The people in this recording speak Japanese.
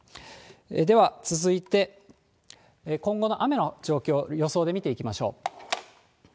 では、続いて今後の雨の状況、予想で見ていきましょう。